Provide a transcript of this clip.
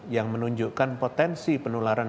yang menunjukkan potensi penularan